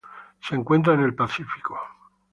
Se encuentra en el Pacífico.